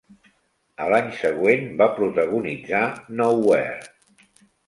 A l'any següent, va protagonitzar "Nowhere".